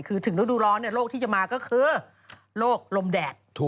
คือถึงฤดูร้อนโรคที่จะมาก็คือโรคลมแดด